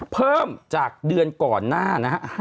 เพิ่มจากเดือนก่อนหน้านะฮะ